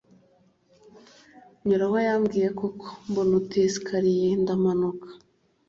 nyura aho yambwiye, koko mbona utuesikariye ndamanuka